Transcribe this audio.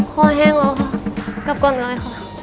คอแห้งแล้วค่ะกับกันหน่อยค่ะ